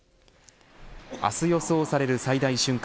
明日予想される最大瞬間